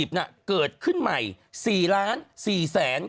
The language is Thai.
อาทิตย์น่ะเกิดขึ้นใหม่๔๔๙๓๑๔๕ใบ